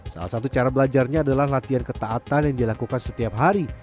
salah satu cara belajarnya adalah latihan ketaatan yang dilakukan setiap hari